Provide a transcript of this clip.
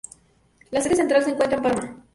La sede central se encuentra en Parma.